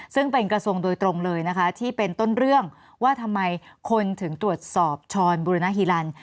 ซึ่งเป็นกระทรวงโดยตรงเลยนะคะที่เป็นต้นเรื่องว่าทำไมคนถึงตรวจสอบช้อนบุรณฮิลัน